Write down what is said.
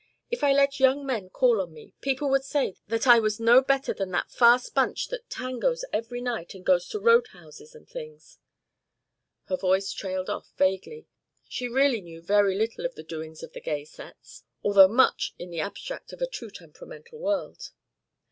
If I let young men call on me, people would say that I was no better than that fast bunch that tangoes every night and goes to road houses and things." Her voice trailed off vaguely; she really knew very little of the doings of "gay sets," although much in the abstract of a too temperamental world.